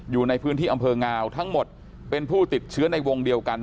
อยู่ในพื้นที่อำเภองาวทั้งหมดเป็นผู้ติดเชื้อในวงเดียวกัน